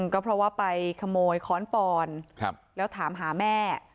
ก็เพราะว่าไปขโมยค้อนปอนแล้วถามหาแม่